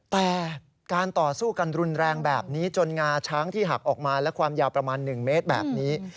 แต่การต่อสู้กันรุนแรงแบบนี้จนงาช้างที่หักออกมาและความยาวประมาณ๑เมตรแบบนี้